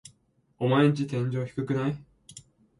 オマエんち天井低くない？